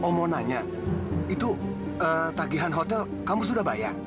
oh mau nanya itu tagihan hotel kamu sudah bayar